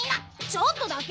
ちょっとだけ！